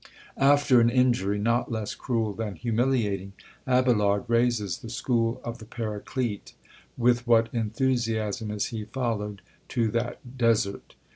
_" After an injury, not less cruel than humiliating, Abelard raises the school of the Paraclete; with what enthusiasm is he followed to that desert!